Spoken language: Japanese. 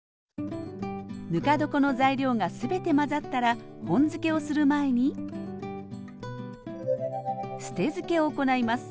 ぬか床の材料が全て混ざったら本漬けをする前に「捨て漬け」を行います。